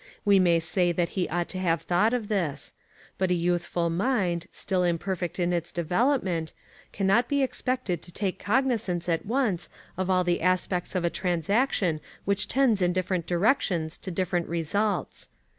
We may say that he ought to have thought of this. But a youthful mind, still imperfect in its development, can not be expected to take cognizance at once of all the aspects of a transaction which tends in different directions to different results.